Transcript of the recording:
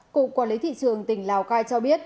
cục quản lý thị trường tỉnh lào cai cho biết